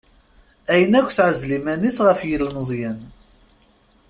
Ayen akk teɛzel iman-is ɣef yilmeẓyen.